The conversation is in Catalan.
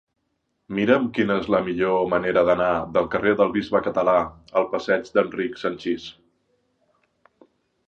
Mira'm quina és la millor manera d'anar del carrer del Bisbe Català al passeig d'Enric Sanchis.